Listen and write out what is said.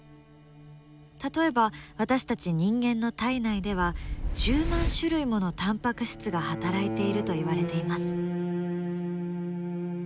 例えば私たち人間の体内では１０万種類ものタンパク質が働いていると言われています。